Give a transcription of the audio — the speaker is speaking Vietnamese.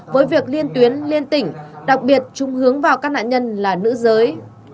với việc liên tuyến liên tỉnh đặc biệt chúng hướng vào các nạn nhân là nữ giới